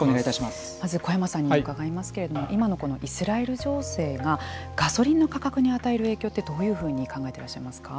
まず小山さんに行いますけれども今のこのイスラエル情勢がガソリンの価格に与える影響ってどういうふうに考えていらっしゃいますか。